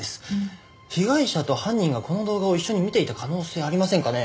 被害者と犯人がこの動画を一緒に見ていた可能性ありませんかね？